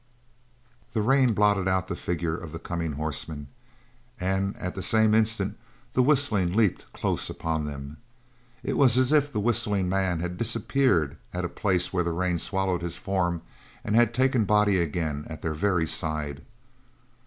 The rain blotted out the figure of the coming horseman, and at the same instant the whistling leaped close upon them. It was as if the whistling man had disappeared at the place where the rain swallowed his form, and had taken body again at their very side.